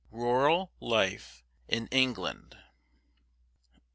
RURAL LIFE IN ENGLAND.